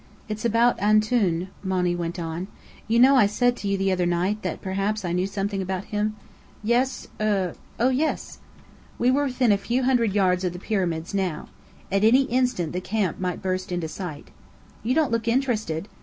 "It's about 'Antoun,'" Monny went on. "You know I said to you the other night, that perhaps I knew something about him?" "Yes er oh, yes!" We were within a few hundred yards of the Pyramids now. At any instant the camp might burst into sight. "You don't look interested!"